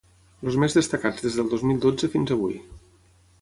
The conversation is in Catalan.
Els més destacats des del dos mil dotze fins avui.